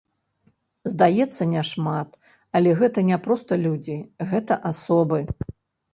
Здаецца, няшмат, але гэта не проста людзі, гэта асобы.